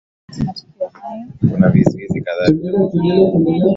kuna vizuizi kadhaa vinavyofanya hili jambo kuwa gumu